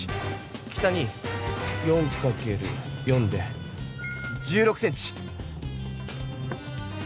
北に４かける４で１６ｃｍ。